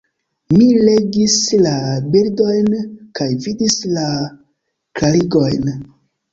Mi legis la bildojn, kaj vidis la klarigojn.